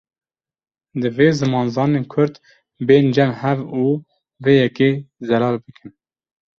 Divê zimanzanên kurd, bên cem hev û vê yekê zelal bikin